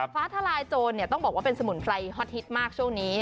ฟ้าทลายโจรต้องบอกว่าเป็นสมุนไพรฮอตฮิตมากช่วงนี้